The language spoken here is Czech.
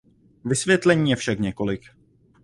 Vysvětlení je však několik.